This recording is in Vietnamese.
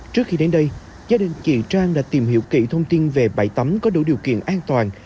trước khi đến đây gia đình chị trang đã tìm hiểu kỹ thông tin về bãi tắm có đủ điều kiện an toàn